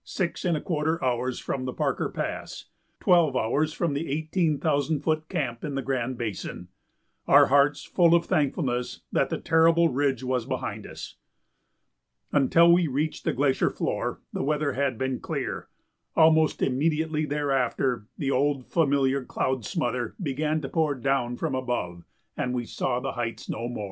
six and a quarter hours from the Parker Pass, twelve hours from the eighteen thousand foot camp in the Grand Basin, our hearts full of thankfulness that the terrible ridge was behind us. Until we reached the glacier floor the weather had been clear; almost immediately thereafter the old familiar cloud smother began to pour down from above and we saw the heights no more.